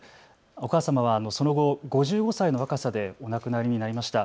お母様はその後、５５歳の若さでお亡くなりになりました。